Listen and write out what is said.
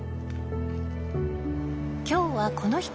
今日はこの人。